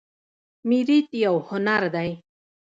میریت یو هنر دی